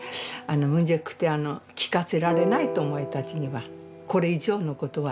むじぇくて聞かせられないとお前たちには。これ以上のことは。